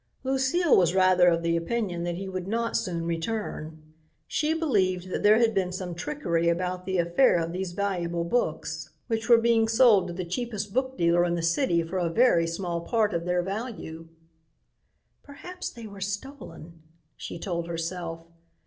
Lucile was rather of the opinion that he would not soon return. She believed that there had been some trickery about the affair of these valuable books which were being sold to the cheapest book dealer in the city for a very small part of their value. "Perhaps they were stolen," she told herself.